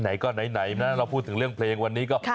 ไหนก็ไหนนะเราพูดถึงเรื่องเพลงวันนี้ก็